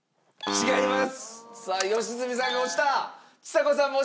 違います。